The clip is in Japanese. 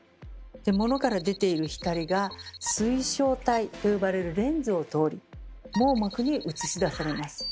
モノから出ている光が水晶体と呼ばれるレンズを通り網膜に映し出されます。